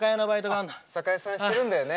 酒屋さんしてるんだよね